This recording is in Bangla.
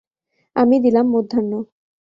আমি দিলাম মধ্যাহ্ন।